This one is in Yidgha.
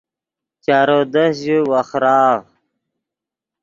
چارو دست ژے وخراغ